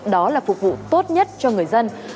đó là phục vụ tốt nhất cho người dân